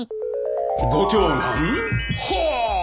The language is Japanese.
ご長男？ほう